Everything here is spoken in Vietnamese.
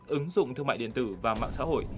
ứng dụng thương mại điện tử và mạng xã hội